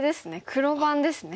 黒番ですね。